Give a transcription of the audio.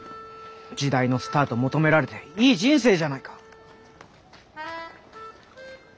時代のスターと求められていい人生じゃないか。